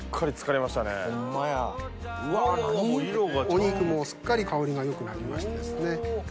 お肉もすっかり香りが良くなりましてですね。